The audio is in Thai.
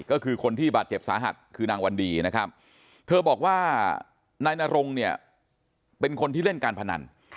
ก็คือคนที่บาดเจ็บสาหัสคือนางวันดีนะครับเธอบอกว่านายนรงเนี่ยเป็นคนที่เล่นการพนัน